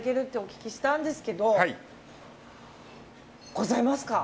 ございます。